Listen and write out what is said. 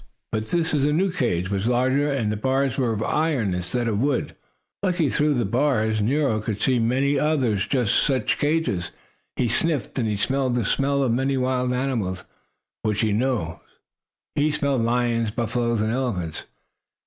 But this new cage was larger, and the bars were of iron instead of wood. Looking through them Nero could see many other just such cages. He sniffed, and he smelled the smell of many wild animals which he knew. He smelled lions, buffaloes, and elephants.